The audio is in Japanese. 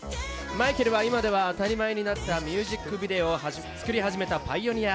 マイケルは今では当たり前になったミュージックビデオを作り始めたパイオニア。